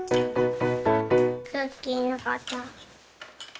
クッキーのかた。